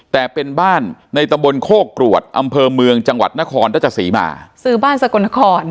แต่เป็นบ้านในตะบนโคกรวดอำเภอเมืองจังหวัดนครราชสีมาซื้อบ้านสกลนคร